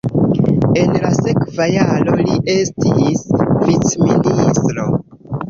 En la sekva jaro li estis vicministro.